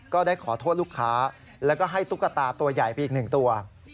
ก็ได้ขอโทษลูกค้าแล้วก็ให้ตุ๊กตาตัวใหญ่ไปอีกหนึ่งตัว